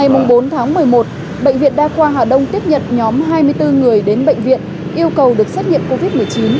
ngày bốn tháng một mươi một bệnh viện đa khoa hà đông tiếp nhận nhóm hai mươi bốn người đến bệnh viện yêu cầu được xét nghiệm covid một mươi chín